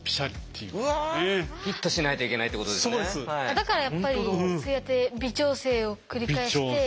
だからやっぱりそうやって微調整を繰り返して。